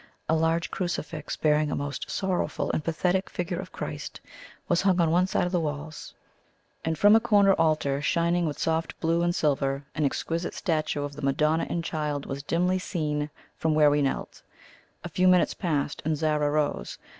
A large crucifix, bearing a most sorrowful and pathetic figure of Christ, was hung on one of the side walls; and from a corner altar, shining with soft blue and silver, an exquisite statue of the Madonna and Child was dimly seen from where we knelt. A few minutes passed, and Zara rose.